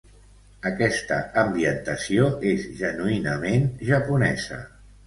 Aquesta ambientació és genuïnament japonesa.